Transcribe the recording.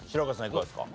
いかがですか？